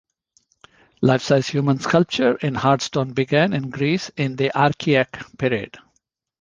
Life-size human sculpture in hard stone began in Greece in the Archaic period.